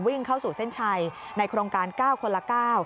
วิ่งเข้าสู่เส้นชัยในโครงการ๙คนละ๙